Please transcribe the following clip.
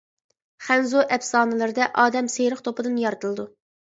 خەنزۇ ئەپسانىلىرىدە ئادەم سېرىق توپىدىن يارىتىلىدۇ.